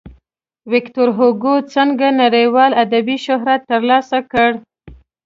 ویکتور هوګو څنګه نړیوال ادبي شهرت ترلاسه کړ.